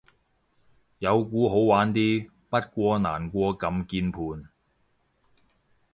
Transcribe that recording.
有鼓好玩啲，不過難過撳鍵盤